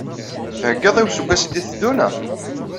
Theggaḍ i useggas i d-iteddun?